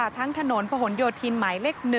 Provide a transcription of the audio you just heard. ทั้งถนนผงโดทีนหมาย๑